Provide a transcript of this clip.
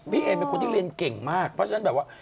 เอมเป็นคนที่เรียนเก่งมากเพราะฉะนั้นแบบว่า